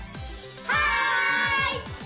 はい！